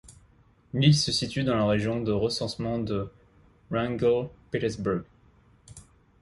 L'île se situe dans la région de recensement de Wrangell-Petersburg.